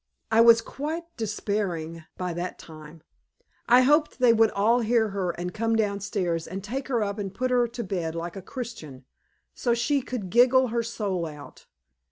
I was quite despairing by that time; I hoped they would all hear her and come downstairs and take her up and put her to bed like a Christian, so she could giggle her soul out.